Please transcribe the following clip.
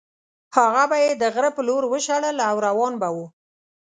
هغه به یې د غره په لور وشړل او روان به وو.